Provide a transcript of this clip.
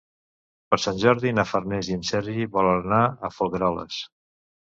Per Sant Jordi na Farners i en Sergi volen anar a Folgueroles.